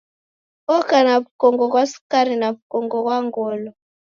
Oka na w'ukongo ghwa sukari na w'ukongo ghwa ngolo.